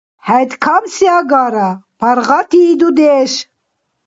Хӏед камси агара, паргъатии, дудеш.